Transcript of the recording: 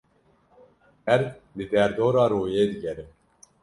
Erd li derdora royê digere.